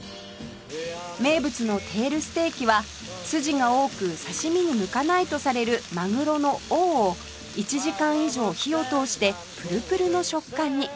名物のテールステーキは筋が多く刺し身に向かないとされるマグロの尾を１時間以上火を通してプルプルの食感に